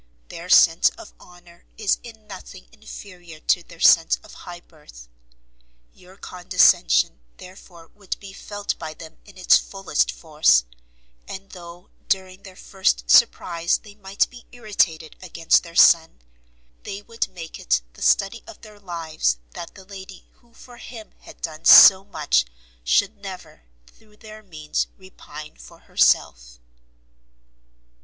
Their sense of honour is in nothing inferior to their sense of high birth; your condescension, therefore, would be felt by them in its fullest force, and though, during their first surprize, they might be irritated against their son, they would make it the study of their lives that the lady who for him had done so much, should never, through their means, repine for herself.